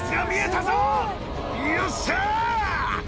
よっしゃ！